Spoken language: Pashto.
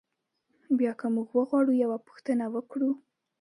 بیا که موږ وغواړو یوه پوښتنه وکړو.